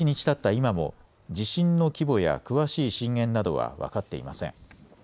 今も地震の規模や詳しい震源などは分かっていません。